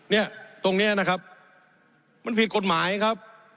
เนี่ยตรงนี้นะครับมันผิดกฎหมายครับ